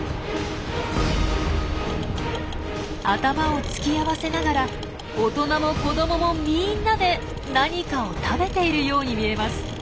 頭を突き合わせながら大人も子どももみんなで何かを食べているように見えます。